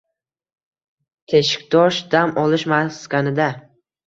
“Teshiktosh” dam olish maskanida...